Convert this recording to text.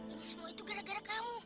ini semua itu gara gara kamu